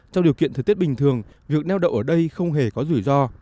trong điều kiện thời tiết bình thường việc neo đậu ở đây không hề có rủi ro